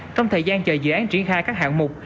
trong thời gian chờ dự án triển khai các hạng mục